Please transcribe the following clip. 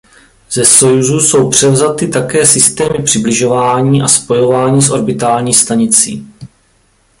Ze Sojuzu jsou převzaty také systémy přibližování a spojování s orbitální stanicí.